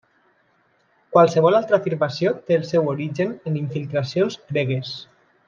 Qualsevol altra afirmació té el seu origen en infiltracions gregues.